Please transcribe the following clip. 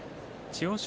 千代翔